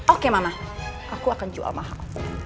oke mama aku akan jual mahal